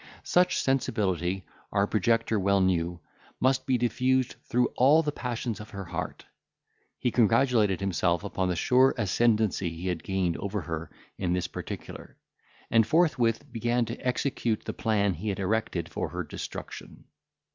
Such sensibility, our projector well knew, must be diffused through all the passions of her heart; he congratulated himself upon the sure ascendency he had gained over her in this particular; and forthwith began to execute the plan he had erected for her destruction.